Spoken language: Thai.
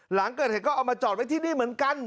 หลังเกิดเหตุก็เอามาจอดไว้ที่นี่เหมือนกัน